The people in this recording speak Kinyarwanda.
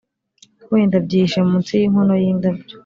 wenda byihishe munsi yinkono yindabyo.